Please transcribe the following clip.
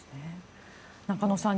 中野さん